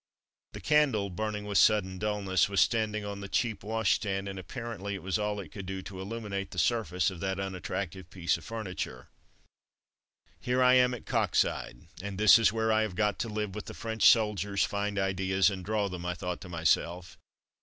The candle, burning with sullen dulness, was standing on the cheap washstand, and apparently it was all it could do to illumin ate the surface of that unattractive piece of furniture. *'Here I am at Coxyde, and this is where I have got to live with the French soldiers, find ideas, and draw them,'' I thought to myself.